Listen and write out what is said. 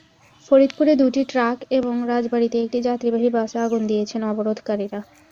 ফরিদপুরে দুটি ট্রাক এবং রাজবাড়ীতে একটি যাত্রীবাহী বাসে আগুন দিয়েছেন অবরোধকারীরা।